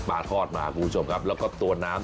ทอดมาคุณผู้ชมครับแล้วก็ตัวน้ำ